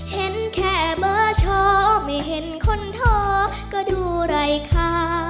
เห็นแค่เบอร์ชอไม่เห็นคนท้อก็ดูไรค่ะ